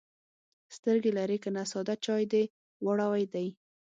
_سترګې لرې که نه، ساده چای دې راوړی دی.